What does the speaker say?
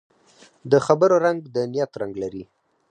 د خبرو رنګ د نیت رنګ لري